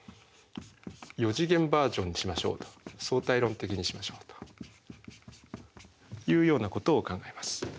４次元バージョンにしましょうと相対論的にしましょうというようなことを考えます。